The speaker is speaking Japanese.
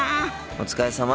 お疲れさま。